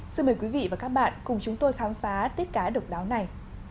xin mời quý vị và các bạn cùng chúng tôi khám phá tết cá độc đáo này